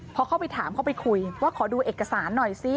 พอเข้าไปถามเข้าไปคุยว่าขอดูเอกสารหน่อยซิ